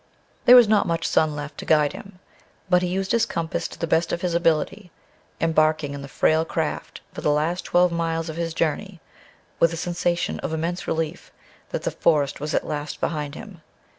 There was not much sun left to guide him, but he used his compass to the best of his ability, embarking in the frail craft for the last twelve miles of his journey with a sensation of immense relief that the forest was at last behind him.